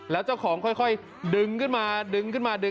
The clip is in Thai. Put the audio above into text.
แล้วเจ้าของค่อยดึงขึ้นมาดึงขึ้นมาดึง